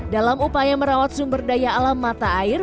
dalam upaya merawat sumber daya alam mata air